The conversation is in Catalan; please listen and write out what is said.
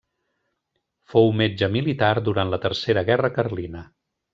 Fou metge militar durant la Tercera Guerra Carlina.